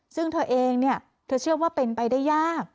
ซึ่งเธอเองเนี่ยเธอเชื่อว่าเป็นไปได้ยาก